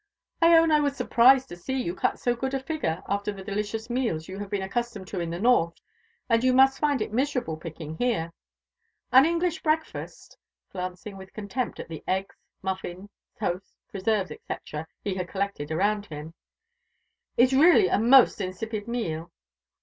I own I was surprised to see you cut so good a figure after the delicious meals you have been accustomed to in the North: you must find it miserable picking here. An English breakfast," glancing with contempt at the eggs, muffins, toast, preserves, etc. etc., he had collected round him, "is really a most insipid meal.